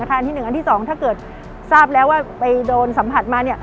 อันที่๑อันที่๒ถ้าเกิดทราบแล้วว่าไปโดนสัมผัสมา